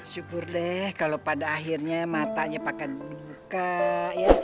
syukur deh kalau pada akhirnya matanya pakan buka ya